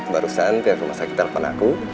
barusan pihak rumah sakit terapkan aku